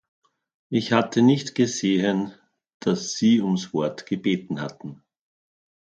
Ich hatte nicht gesehen, dass Sie ums Wort gebeten hatten.